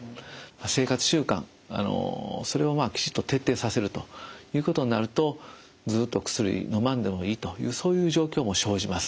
生活習慣それをきちっと徹底させるということになるとずっと薬のまんでもいいとそういう状況も生じます。